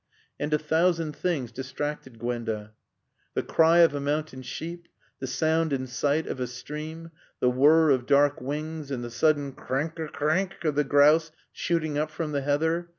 And a thousand things distracted Gwenda: the cry of a mountain sheep, the sound and sight of a stream, the whirr of dark wings and the sudden "Krenk er renk errenk!" of the grouse shooting up from the heather.